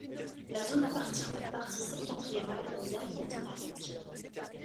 La zone appartient à la partie septentrionale des Alpes dinariques.